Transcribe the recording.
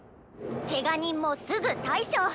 ケガ人もすぐ対処！